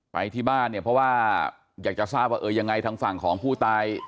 ไปที่บ้านเนี่ยเพราะว่าอยากจะทราบว่าเออยังไงทางฝั่งของผู้ตาย